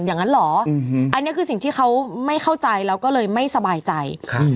อย่างนั้นเหรออันนี้คือสิ่งที่เขาไม่เข้าใจแล้วก็เลยไม่สบายใจ